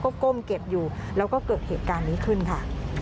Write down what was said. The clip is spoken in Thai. ก็ก้มเก็บอยู่แล้วก็เกิดเหตุการณ์นี้ขึ้นค่ะ